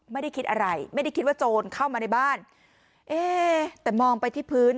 ไม่ได้คิดอะไรไม่ได้คิดว่าโจรเข้ามาในบ้านเอ๊แต่มองไปที่พื้น